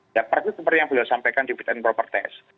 dan itu seperti yang beliau sampaikan di fit and proper test